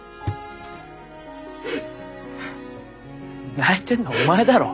泣いてんのはお前だろ。